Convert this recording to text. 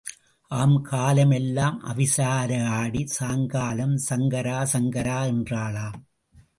ஆம் காலம் எல்லாம் அவிசாரி ஆடிச் சாங்காலம் சங்கரா சங்கரா என்றாளாம்.